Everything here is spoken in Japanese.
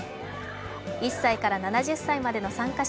１歳から７０歳までの参加者